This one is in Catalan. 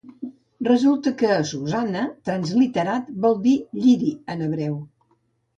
Resulta que Susanna, transliterat, vol dir "lliri" en hebreu.